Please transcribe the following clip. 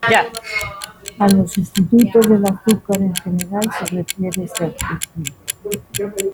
A los sustitutos del azúcar en general se refiere este artículo.